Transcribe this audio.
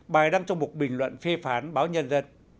bài đăng trong một bình luận phê phán báo nhân dân